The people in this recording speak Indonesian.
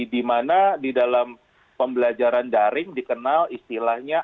dimana di dalam pembelajaran daring dikenal istilahnya